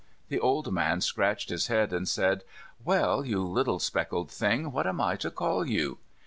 The old man scratched his head, and said, "Well, you little speckled thing, what am I to call you?"